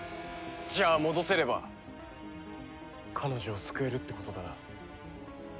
じゃあ戻せれば彼女を救えるってことだな。